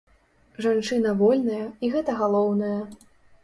Жанчына вольная, і гэта галоўнае.